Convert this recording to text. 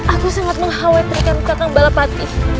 aku sangat mengkhawatirkan kakak balapati